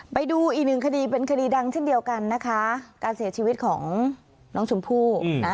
ไปดูอีกหนึ่งคดีเป็นคดีดังเช่นเดียวกันนะคะการเสียชีวิตของน้องชมพู่นะ